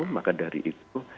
maka dari itu